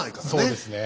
そうですね。